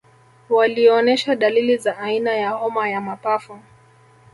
Walioonesha dalili za aina ya homa ya mapafu